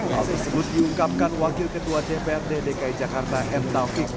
hal tersebut diungkapkan wakil ketua dprd dki jakarta m taufik